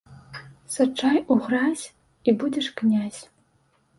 Саджай у гразь і будзеш князь.